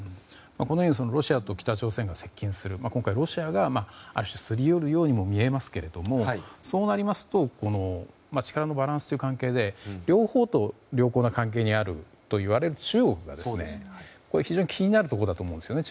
このようにロシアと北朝鮮が接近する今回ロシアがすり寄るように見えますがそうなりますと力のバランスの関係で両方と良好な関係にあるといわれる中国が非常に気になるところだと思うんですよね。